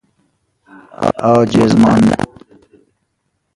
عاجز ماندن